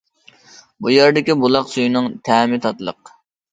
بۇ يەردىكى بۇلاق سۈيىنىڭ تەمى تاتلىق.